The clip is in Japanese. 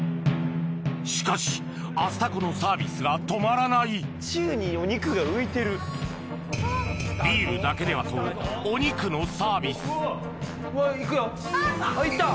しかしアスタコのサービスが止まらないビールだけではとお肉のサービスうわ行くよ行った！